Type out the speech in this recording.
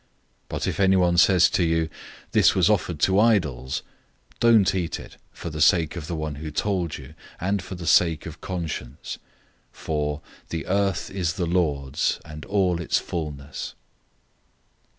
010:028 But if anyone says to you, "This was offered to idols," don't eat it for the sake of the one who told you, and for the sake of conscience. For "the earth is the Lord's, and all its fullness."